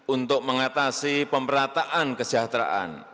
untuk mengatasi pemerataan kesejahteraan